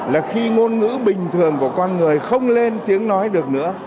là khi ngôn ngữ bình thường của con người không lên tiếng nói được nữa